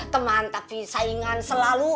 teman tetapi saingan selalu